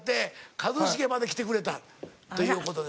一茂まで来てくれたという事ですよね。